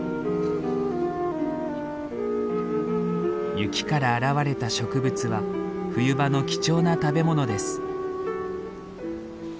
雪から現れた植物は冬場の貴重な食べ物です。